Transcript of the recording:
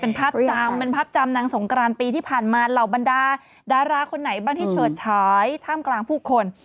เป็นภาพจำเป็นภาพจำนางสงกรานปีที่ผ่านมาเหล่าบรรดาดาราคนไหนบ้างที่เฉิดฉายท่ามกลางผู้คน